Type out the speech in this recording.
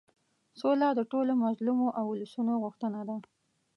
سوله د ټولو مظلومو اولسونو غوښتنه ده.